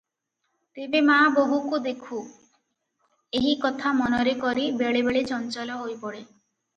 ତେବେ ମା ବୋହୁକୁ ଦେଖୁ, ଏହି କଥା ମନରେ କରି ବେଳେ ବେଳେ ଚଞ୍ଚଳ ହୋଇପଡେ ।